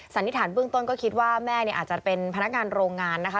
สันนิษฐานเบื้องต้นก็คิดว่าแม่เนี่ยอาจจะเป็นพนักงานโรงงานนะคะ